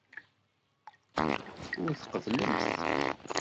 Ur tqebblemt.